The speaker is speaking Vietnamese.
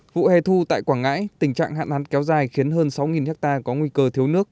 vụ hè thu tại quảng ngãi tình trạng hạn hán kéo dài khiến hơn sáu ha có nguy cơ thiếu nước